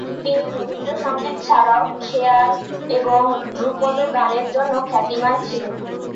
তিনি রবীন্দ্রসঙ্গীত ছাড়াও খেয়াল এবং ধ্রুপদ গানের জন্য খ্যাতিমান ছিলেন।